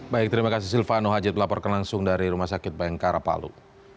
baik terima kasih silvano haji belapor ke langsung dari rumah sakit bayangkara palu